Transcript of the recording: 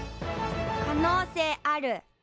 可能性ある。